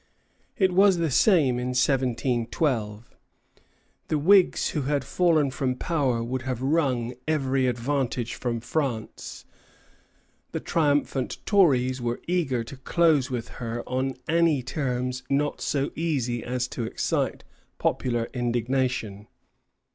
It was the same in 1712. The Whigs who had fallen from power would have wrung every advantage from France; the triumphant Tories were eager to close with her on any terms not so easy as to excite popular indignation.